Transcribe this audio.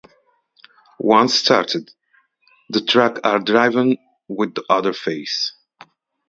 Once started, the tacks are driven with the other face.